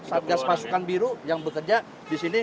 satgas pasukan biru yang bekerja di sini